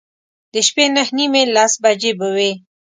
د شپې نهه نیمې، لس بجې به وې.